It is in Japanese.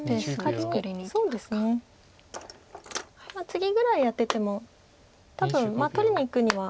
ツギぐらいやってても多分取りにいくには。